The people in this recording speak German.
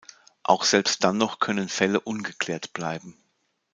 Auch selbst dann noch können Fälle ungeklärt bleiben.